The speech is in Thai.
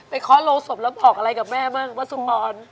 ไปคอร์สโรงสมแล้วจะบอกอะไรกับแม่บ้างครับพ่อพ่อ